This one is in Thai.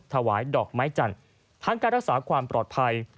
ถวายดอกไม้จันทร์ทั้งการรักษาความปลอดภัย